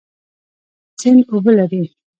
سیند اوبه لري.